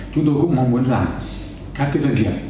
chúng tôi cũng mong muốn rằng các doanh nghiệp